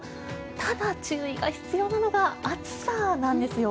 ただ、注意が必要なのが暑さなんですよ。